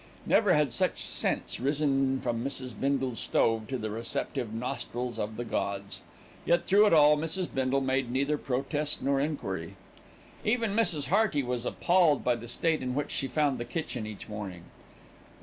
Never had such scents risen from Mrs. Bindle's stove to the receptive nostrils of the gods; yet through it all Mrs. Bindle made neither protest nor enquiry. Even Mrs. Hearty was appalled by the state in which she found the kitchen each morning.